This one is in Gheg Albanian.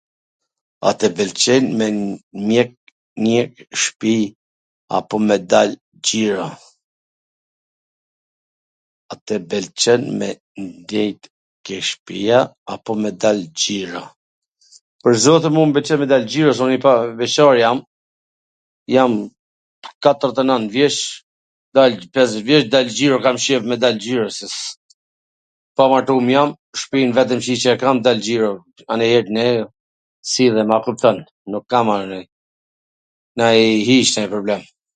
A tw pwlqen me nejt nw shpi apo me dal xhiro? A tw pwlqen me ndejt ke shpia apo me dal xhiro? Pwr zotin mu m pwlqen me dal xhiro, se un beqar jam, jam katwrdhet e nand vjeC, pesdhet vjeC, dal xhiro, jo, kam qef me dal xhiro, se s' ..., pamartum jam, shpin vetwm qyq e kam, dal xhiro, anej edhe knej, sillem, a kupton, nuk kam naj hiC naj problem,,,